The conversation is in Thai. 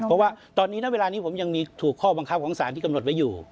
เพราะว่าตอนนี้ณเวลานี้ผมยังมีถูกข้อบังคับของสารที่กำหนดไว้อยู่